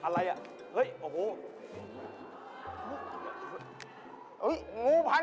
ระวัง